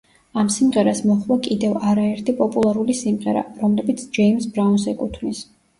ამ სიმღერას მოჰყვა კიდევ არა ერთი პოპულარული სიმღერა, რომლებიც ჯეიმზ ბრაუნს ეკუთვნის.